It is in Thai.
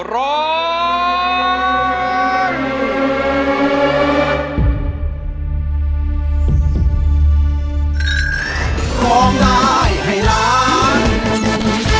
รักจนไม่รู้สึกกินกัน